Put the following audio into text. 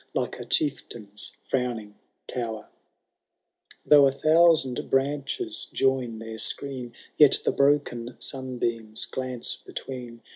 Like a chieftain^s frowning tower ; Though a thousand branches join their screen. Yet the broken sunbeams glance between.